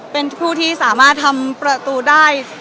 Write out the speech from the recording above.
เป็นผู้ที่สามารถทำประตูได้